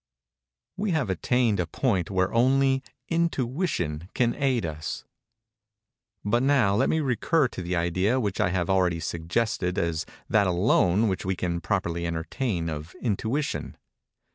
We have attained a point where only Intuition can aid us:—but now let me recur to the idea which I have already suggested as that alone which we can properly entertain of intuition.